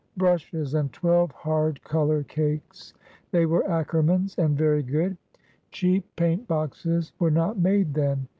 Brushes, and twelve hard color cakes. They were Ackermann's, and very good. Cheap paint boxes were not made then.